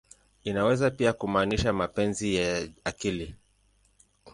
Inaweza pia kumaanisha "mapenzi ya akili.